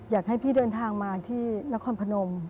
อยากให้พี่เดินทางมาที่นครพนม